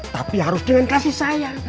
tapi harus dengan kasih sayang